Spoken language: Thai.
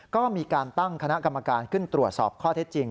ก็มีการตั้งคณะกรรมการขึ้นตรวจสอบข้อเท็จจริง